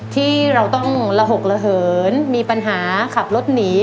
ที่เราต้องระหกระเหินมีปัญหาขับรถหนี